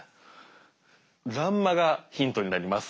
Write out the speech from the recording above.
欄間がヒントになります。